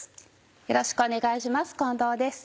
よろしくお願いします近藤です。